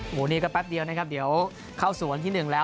หมูนี้ก็แป๊บเดียวนะครับเดี๋ยวเข้าสู่วันที่หนึ่งแล้ว